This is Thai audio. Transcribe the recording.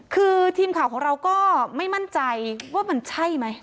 คือทีมข่าวของเราก็ไม่มั่นใจว่ามันใช่ไหม